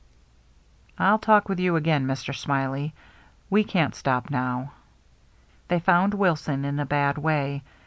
"I'll talk with you again, Mr. Smiley. We can't stop now." They found Wilson in a bad way.